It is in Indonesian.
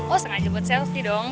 oh sengaja buat selfie dong